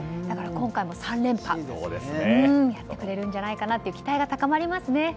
今回も３連覇やってくれるんじゃないかという期待が高まりますね。